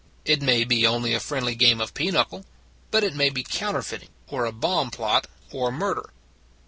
It may be only a friendly game of pinochle: but it may be counterfeiting, or a bomb plot, or murder.